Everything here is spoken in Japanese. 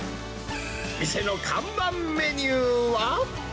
店の看板メニューは。